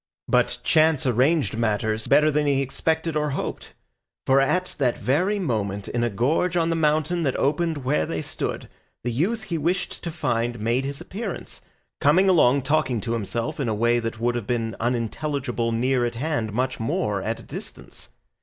But chance arranged matters better than he expected or hoped, for at that very moment, in a gorge on the mountain that opened where they stood, the youth he wished to find made his appearance, coming along talking to himself in a way that would have been unintelligible near at hand, much more at a distance.